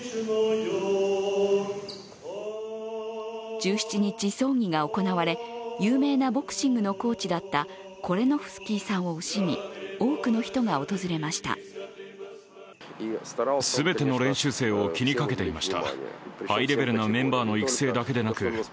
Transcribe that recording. １７日、葬儀が行われ有名なボクシングのコーチだったコレノフスキーさんを惜しみ多くの人が訪れました。